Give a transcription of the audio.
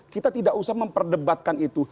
kita tidak usah memperdebatkan itu